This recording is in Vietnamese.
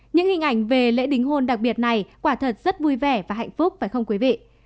những hình ảnh về lễ đình hôn đặc biệt này quả thật rất vui vẻ và hạnh phúc phải không quý vị